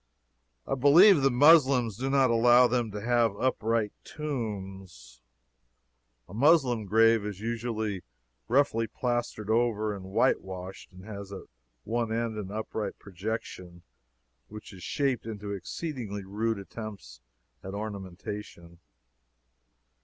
I believe the Moslems do not allow them to have upright tombstones. A Moslem grave is usually roughly plastered over and whitewashed, and has at one end an upright projection which is shaped into exceedingly rude attempts at ornamentation.